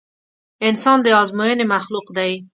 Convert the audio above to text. انسان د ازموينې مخلوق دی.